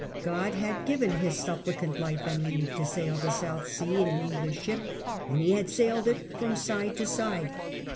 God had given His supplicant life and leave to sail the South Sea in an English ship, and he had sailed it from side to side.